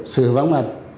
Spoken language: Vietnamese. xử vãng mặt